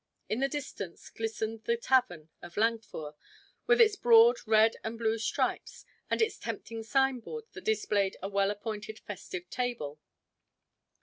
In the distance glistened the tavern of Langführ, with its broad red and blue stripes and its tempting signboard that displayed a well appointed festive table.